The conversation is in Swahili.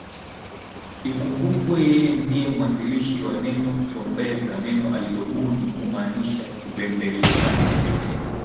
Ikumbukwe yeye ndiye mwanzilishi wa neno Chombeza neno alilolibuni kumaanisha kubembelezana